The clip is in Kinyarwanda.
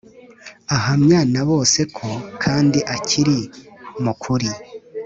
Ahamya na bose ko kandi akiri mukuri